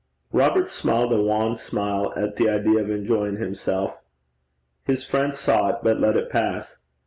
Robert smiled a wan smile at the idea of enjoying himself. His friend saw it, but let it pass.